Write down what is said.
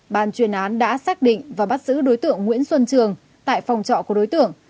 ban chuyên án đã xác định và bắt giữ đối tượng nguyễn xuân trường tại phòng trọ của đối tượng